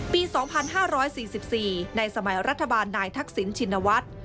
ปี๒๕๔๔ในสมัยรัฐบาลนายทักษิณชินวัฒน์